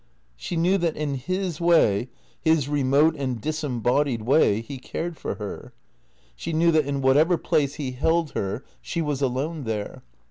She knew that in his way, his remote and disembodied way, he cared for her. She knew that in whatever place he held her 186 THECEEATOES she was alone there.